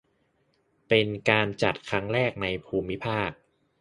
เป็นการจัดครั้งแรกในภูมิภาค